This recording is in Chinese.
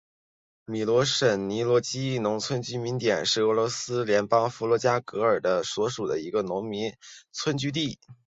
米罗什尼基农村居民点是俄罗斯联邦伏尔加格勒州科托沃区所属的一个农村居民点。